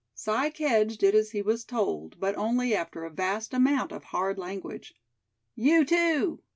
Si Kedge did as he was told, but only after a vast amount of hard language. "You too!"